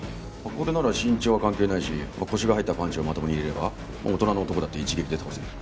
これなら身長は関係ないし腰が入ったパンチをまともに入れれば大人の男だって一撃で倒せる。